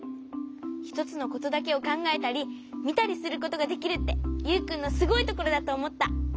ひとつのことだけをかんがえたりみたりすることができるってユウくんのすごいところだとおもった。